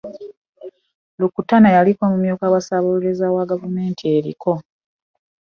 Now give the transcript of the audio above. Lukutana yaliko amyuka ssaabawolereza wa gavumenti eriko.